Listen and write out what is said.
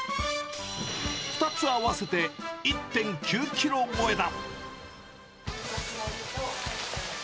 ２つ合わせて１．９キロ超えだ。